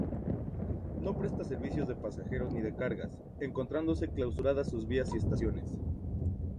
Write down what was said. No presta servicios de pasajeros ni de cargas, encontrándose clausuradas sus vías y estaciones.